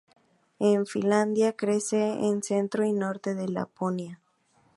En Finlandia crece en centro y norte de Laponia.